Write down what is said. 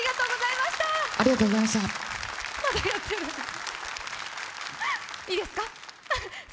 いいですか？